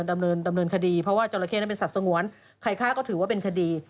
ดำเนินคดีเพราะว่าจราเข้นั้นเป็นสัตว์สงวนใครฆ่าก็ถือว่าเป็นคดี